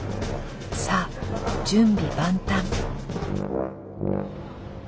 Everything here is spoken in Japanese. さあ準備万端。